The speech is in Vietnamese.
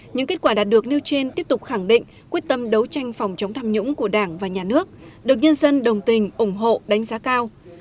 những kết quả đạt được nêu trên tiếp tục khẳng định quyết tâm đấu tranh phòng chống tham nhũng của đảng và nhà nước được nhân dân đồng tình ủng hộ đánh giá cao